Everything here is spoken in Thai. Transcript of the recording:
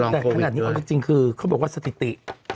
แต่ขนาดนี้เอาจริงคือเขาบอกว่าสถิติ